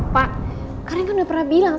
pak karen kan udah pernah bilang